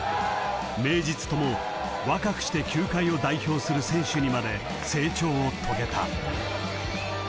［名実とも若くして球界を代表する選手にまで成長を遂げた］